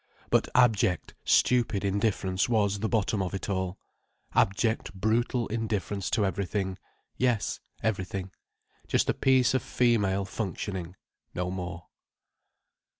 But abject, stupid indifference was the bottom of it all: abject, brutal indifference to everything—yes, everything. Just a piece of female functioning, no more.